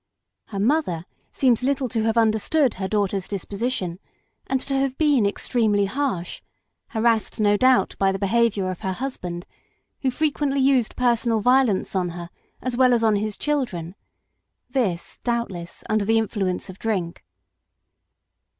Her mother seems little to have understood her daughter's disposition, and to have been extremely harsh, harassed no doubt by the behaviour of her husband, who fre quently used personal violence on her as well as on his children; this, doubtless, under the influence of drink.